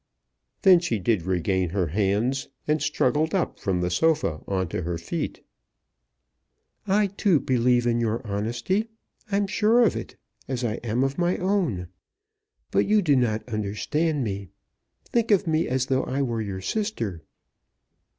Then she did regain her hands, and struggled up from the sofa on to her feet. "I, too, believe in your honesty. I am sure of it, as I am of my own. But you do not understand me. Think of me as though I were your sister."